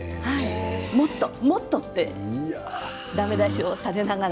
もっともっとってだめ出しをされながら。